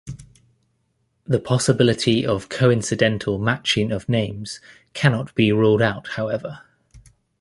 The possibility of coincidental matching of names cannot be ruled out however.